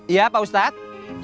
iya pak ustadz